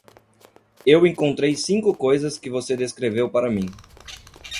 Eu encontrei cinco coisas que você descreveu para mim.